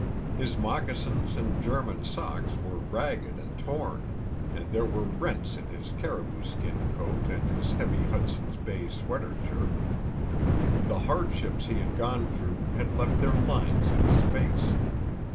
His moccasins and German socks were ragged and torn, and there were rents in his caribou skin coat and his heavy Hudson's Bay sweater shirt. The hardships he had gone through had left their lines in his face.